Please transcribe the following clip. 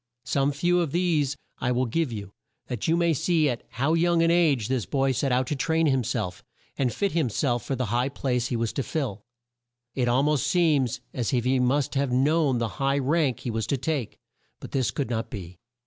Some few of these I will give you, that you may see at how young an age this boy set out to train him self, and fit him self for the high place he was to fill. It al most seems as if he must have known the high rank he was to take; but this could not be.